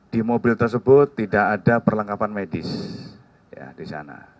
di mobil tersebut tidak ada perlengkapan medis di sana